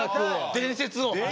伝説を！